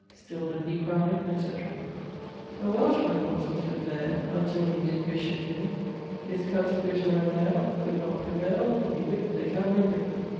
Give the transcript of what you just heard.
Still doth he cry, etc. A Welsh man once was whip't there Untill he did bes... him His Cuds pluttera nail Could not prevail For he whip't the Cambro Britan.